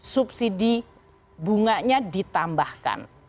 subsidi bunganya ditambahkan